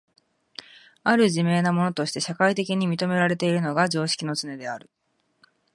或る自明なものとして社会的に認められているのが常識のつねである。